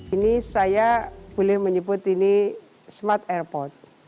ini saya boleh menyebut ini smart airport